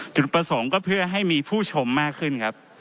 จุดประสงค์ก็เพื่อให้มีผู้ชมมากขึ้นครับ